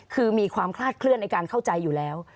คือมีความคลาดเคลื่อนในการเข้าใจอยู่แล้ว